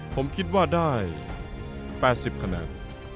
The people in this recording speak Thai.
ผมคิดว่าได้๘๐คะแนน